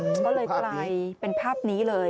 คือภาพนี้เขาเลยไกลเป็นภาพนี้เลย